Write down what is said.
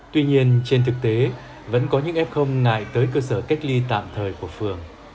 tuy nhiên trên thực tế vẫn có những f ngại tới cơ sở cách ly tạm thời của phường